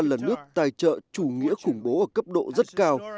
là nước tài trợ chủ nghĩa khủng bố ở cấp độ rất cao